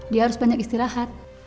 dia harus banyak istirahat